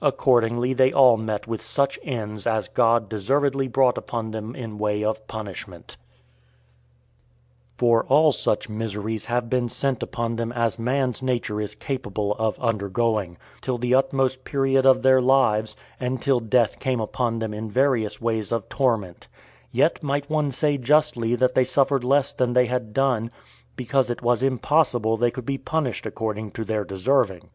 Accordingly, they all met with such ends as God deservedly brought upon them in way of punishment; for all such miseries have been sent upon them as man's nature is capable of undergoing, till the utmost period of their lives, and till death came upon them in various ways of torment; yet might one say justly that they suffered less than they had done, because it was impossible they could be punished according to their deserving.